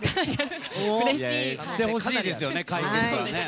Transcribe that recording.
してほしいですよね。